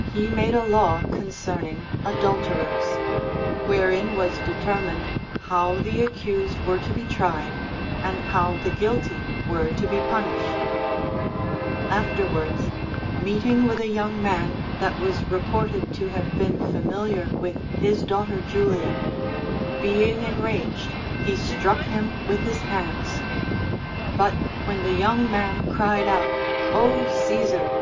He made a law concerning• adulterers, wherein was determined how the accused were to be tried and how the guilty were to be punished. Af terwards, meeting with a young man that was reported to have been familiar with his daughter Julia, being enraged 259 THE ArOPHTIIEGMS OF KINGS. he struck him Avith his hands ; but when the young man cried out, Ο Caesar!